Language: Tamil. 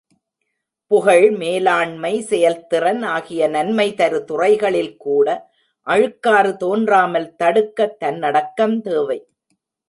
புகழ் மேலாண்மை செயல்திறன் ஆகிய நன்மைதரு துறைகளில்கூட அழுக்காறு தோன்றாமல் தடுக்க, தன்னடக்கம் தேவை.